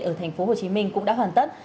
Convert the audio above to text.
ở thành phố hồ chí minh cũng đã hoàn tất